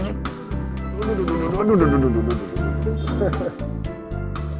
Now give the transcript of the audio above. aduh aduh aduh aduh